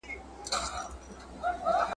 نه نیژدې او نه هم لیري بله سره غوټۍ ښکاریږي `